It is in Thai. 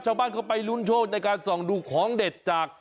ชาวบ้านเข้าไปลุ้นโชคในการส่องดูของเด็ดจาก